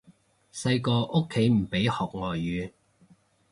細個屋企唔俾學外語